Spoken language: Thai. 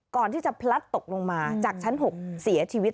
ก่อนที่จะพลัดตกลงมาจากชั้น๖เสียชีวิต